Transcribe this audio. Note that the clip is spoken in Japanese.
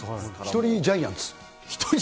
１人ジャイアンツ？